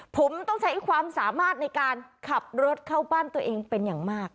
ผมต้องใช้ความสามารถในการขับรถเข้าบ้านตัวเองเป็นอย่างมาก